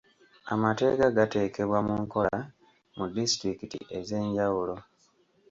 Amateeka gateekebwa mu nkola mu disitulikiti ez'enjawulo.